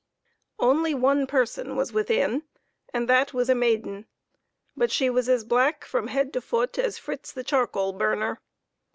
Only one person was within, and that was a maiden ; but she was as black from head to foot as Fritz the charcoal burner.